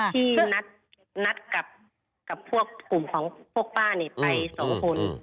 ที่นัดกับกลุ่มของพวกป้านี่ไป๒คน